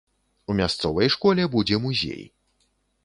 У мясцовай школе будзе музей.